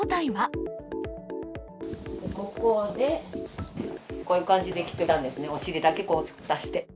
ここで、こういう感じで来てたんですね、お尻だけ出して。